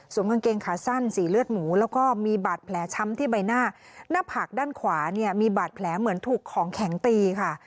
กางเกงขาสั้นสีเลือดหมูแล้วก็มีบาดแผลช้ำที่ใบหน้าหน้าผากด้านขวาเนี่ยมีบาดแผลเหมือนถูกของแข็งตีค่ะ